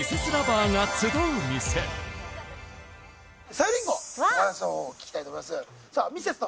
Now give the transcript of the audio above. さゆりんごお話の方を聞きたいと思います。